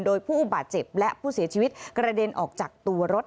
โดยผู้บาดเจ็บและผู้เสียชีวิตกระเด็นออกจากตัวรถ